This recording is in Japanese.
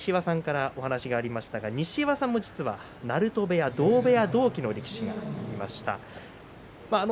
西岩さんからお話がありましたが西岩さんも実は鳴戸部屋、同部屋同期の力士がいました。